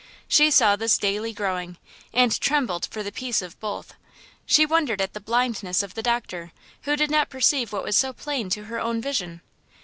She saw this daily growing, and trembled for the peace of both. She wondered at the blindness of the doctor, who did not perceive what was so plain to her own vision.